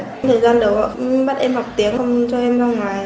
trong thời gian đầu họ bắt em học tiếng không cho em ra ngoài